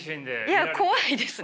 いや怖いですね。